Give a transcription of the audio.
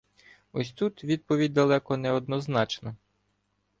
Ось тут відповідь далеко неоднозначна.